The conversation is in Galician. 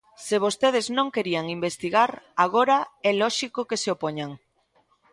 Se vostedes non querían investigar, agora é lóxico que se opoñan.